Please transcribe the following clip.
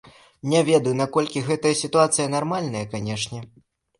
Не ведаю, наколькі гэтая сітуацыя нармальная, канешне.